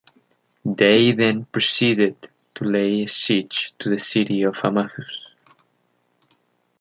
They then proceeded to lay siege to the city of Amathus.